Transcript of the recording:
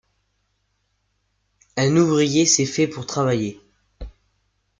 Un ouvrier, c'est fait pour travailler.